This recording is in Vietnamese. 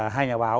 hai nhà báo